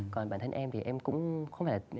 còn bản thân em thì em cũng không phải